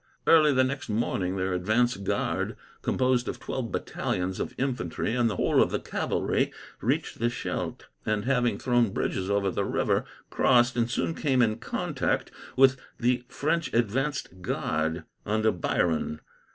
Early the next morning their advance guard, composed of twelve battalions of infantry and the whole of the cavalry, reached the Scheldt; and, having thrown bridges over the river, crossed, and soon came in contact with the French advance guard, under Biron.